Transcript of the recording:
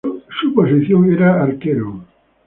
Su posición era arquero.